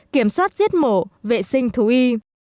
kiểm soát giết mổ vệ sinh thú y